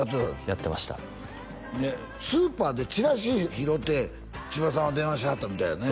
やってましたスーパーでチラシ拾うて千葉さんは電話しはったみたいやね